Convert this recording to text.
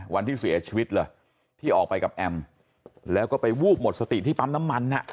วันที่เสียชีวิตเลยที่ออกไปกับแอมแล้วก็ไปวูบหมดสติที่ปั๊มน้ำมัน